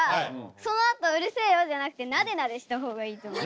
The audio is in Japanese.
そのあと「うるせえよ！」じゃなくてなでなでした方がいいと思う。